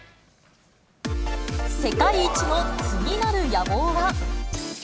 世界一の次なる野望は。